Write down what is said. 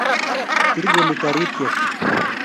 tirireni tarityet